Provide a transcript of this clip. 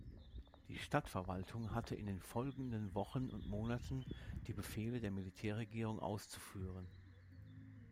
Die Stadtverwaltung hatte in den folgenden Wochen und Monaten die Befehle der Militärregierung auszuführen.